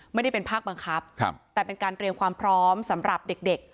ไม่ได้เป็นภาคบังคับแต่เป็นการเตรียมความพร้อมสำหรับเด็ก